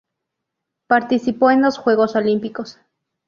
Participó en dos Juegos Olimpicos.